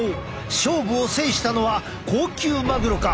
勝負を制したのは高級マグロか？